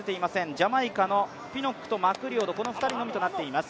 ジャマイカのピノックとマクリオド、この２人となっています。